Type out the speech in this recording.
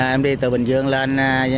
em đi từ bình dương lên